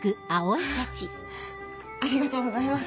ありがとうございます。